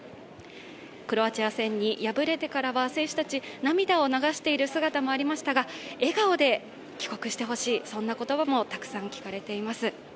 クロアチア戦に敗れてからは選手たち、涙を流している姿もありましたが笑顔で帰国してほしい、そんな言葉もたくさん聞かれています。